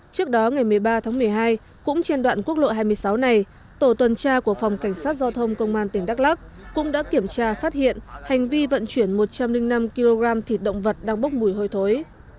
trước đó ngày một mươi ba tháng một mươi hai cũng trên đoạn quốc lộ hai mươi sáu này tổ tuần tra của phòng cảnh sát giao thông công an tỉnh đắk lắc cũng đã kiểm tra phát hiện hành vi vận chuyển một trăm linh năm kg thịt động vật đang bốc mùi hôi thối